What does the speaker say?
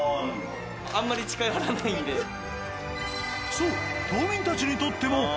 そう。